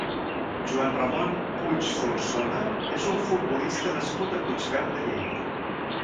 Joan Ramon Puig Solsona és un futbolista nascut a Puigverd de Lleida.